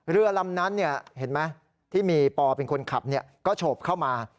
เรือลำนั้นเห็นไหมที่มีปอเป็นคนขับก็โฉบเข้ามา